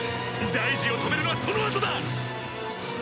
大二を止めるのはそのあとだ！